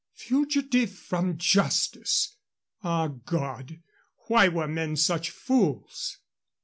Fugitive from justice! Ah, God! Why were men such fools?